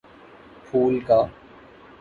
پھول کا